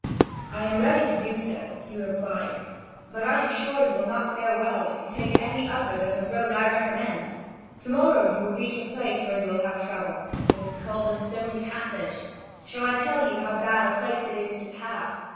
"I am ready to do so," he replies; "but I am sure you will not fare well if you take any other than the road I recommend. To morrow you will reach a place where you will have trouble: it is called 'the stony passage'. Shall I tell you how bad a place it is to pass?